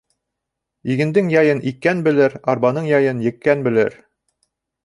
Игендең яйын иккән белер, арбаның яйын еккән белер.